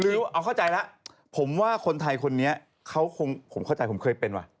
คือเอาเข้าใจแล้วผมว่าคนไทยคนนี้เขาคงผมเข้าใจผมเคยเป็นว่ะ